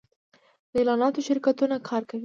د اعلاناتو شرکتونه کار کوي